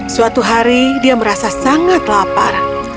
suatu hari dia merasa sangat lapar